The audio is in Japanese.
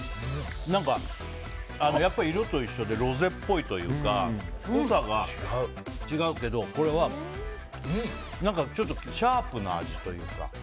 やっぱり色と一緒でロゼっぽいというか濃さが違うけどこれは何かちょっとシャープな味というか。